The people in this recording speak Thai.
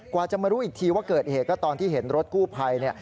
กว่าจะมารู้อีกทีว่าเกิดเหตุก็ตอนที่เห็นรถกู้ภัยเนี่ย